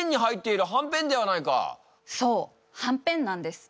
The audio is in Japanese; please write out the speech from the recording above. そうはんぺんなんです。